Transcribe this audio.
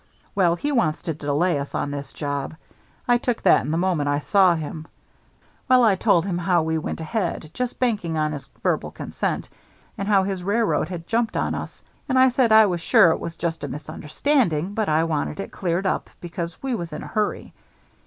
Well, he wants to delay us on this job. I took that in the moment I saw him. Well, I told him how we went ahead, just banking on his verbal consent, and how his railroad had jumped on us; and I said I was sure it was just a misunderstanding, but I wanted it cleared up because we was in a hurry.